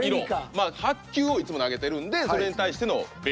まあ白球をいつも投げてるんでそれに対しての紅。